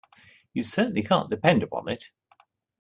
You certainly can't depend upon it.